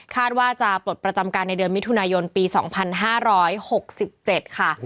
ว่าจะปลดประจำการในเดือนมิถุนายนปี๒๕๖๗ค่ะ